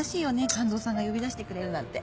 完三さんが呼び出してくれるなんて。